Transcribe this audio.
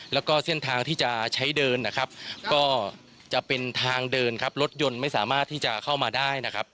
แล้วก็เส้นทางที่จะใช้เดินนะครับก็จะเป็นทางเดินครับรถยนต์ไม่สามารถที่จะเข้ามาได้นะครับ